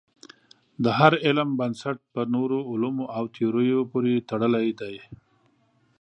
د هر علم بنسټ په نورو علومو او تیوریو پورې تړلی دی.